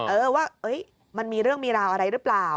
เออว่ามันมีเรื่องมีราวอะไรหรือเปล่า